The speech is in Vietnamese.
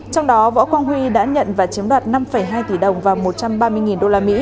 trong đó võ quang huy đã nhận và chiếm đoạt năm hai tỷ đồng và một trăm ba mươi usd